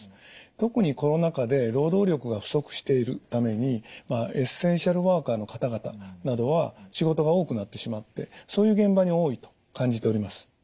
特にコロナ禍で労働力が不足しているためにエッセンシャルワーカーの方々などは仕事が多くなってしまってそういう現場に多いと感じております。